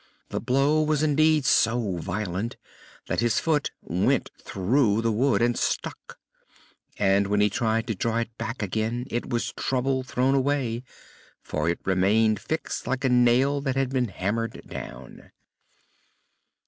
The blow was indeed so violent that his foot went through the wood and stuck; and when he tried to draw it back again it was trouble thrown away, for it remained fixed like a nail that has been hammered down.